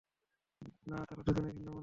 না, তারা দুজনই ভিন্ন বর্ণের।